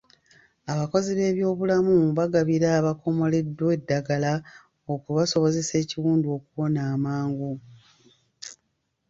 Abakozi b'ebyobulamu bagabira abakomoleddwa eddagala okusobozesa ekiwundu okuwona amangu.